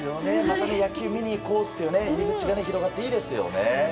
野球を見に行こうという入り口が広がっていいですよね。